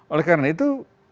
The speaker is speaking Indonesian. oleh karena itu